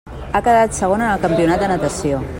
Ha quedat segona en el campionat de natació.